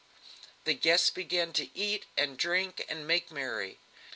The guests began to eat and drink and make merry.